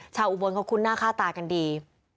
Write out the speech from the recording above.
อุบลเขาคุ้นหน้าค่าตากันดี